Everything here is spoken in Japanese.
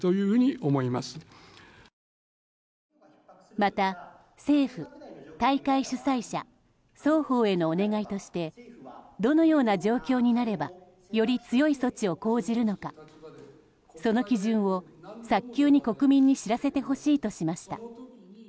また、政府、大会主催者双方へのお願いとしてどのような状況になればより強い措置を講じるのかその基準を早急に、国民に知らせてほしいとしました。